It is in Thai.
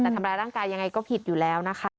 แต่ทำร้ายร่างกายยังไงก็ผิดอยู่แล้วนะคะ